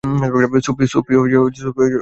Sophie, তুমি পারবে।